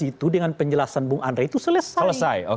itu dengan penjelasan bung andre itu selesai